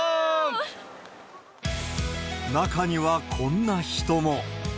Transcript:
中にはこんな人も。